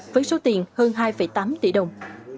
với số tiền hơn hai tám tỷ đồng